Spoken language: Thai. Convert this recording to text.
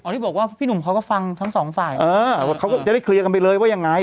ที่บอกว่าพี่หนุ่มเขาก็ฟังทั้งสองฝ่ายเออเขาก็จะได้เคลียร์กันไปเลยว่ายังไง